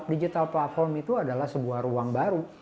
digital platform itu adalah sebuah ruang baru